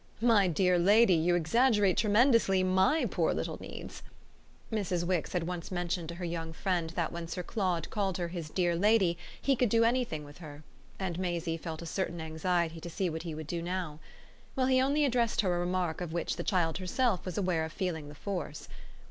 "My dear lady, you exaggerate tremendously MY poor little needs." Mrs. Wix had once mentioned to her young friend that when Sir Claude called her his dear lady he could do anything with her; and Maisie felt a certain anxiety to see what he would do now. Well, he only addressed her a remark of which the child herself was aware of feeling the force.